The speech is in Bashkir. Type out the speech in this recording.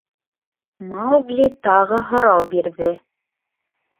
— Маугли тағы һорау бирҙе.